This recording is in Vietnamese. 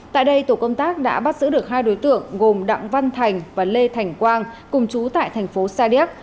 tại đây tổ công tác đã bắt giữ được hai đối tượng gồm đặng văn thành và lê thành quang cùng chú tại thành phố sa điếc